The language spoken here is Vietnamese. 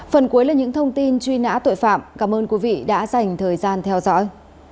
phần cuối là những thông tin truy nã tội phạm cảm ơn quý vị đã dành thời gian theo dõi